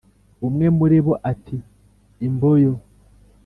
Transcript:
umwe muri bo ati:"imboyo".